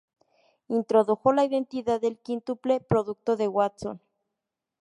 Introdujo la identidad del quíntuple producto de Watson.